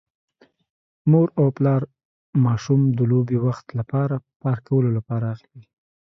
مور او پلار ماشوم د لوبې وخت لپاره پارک کولو لپاره اخلي.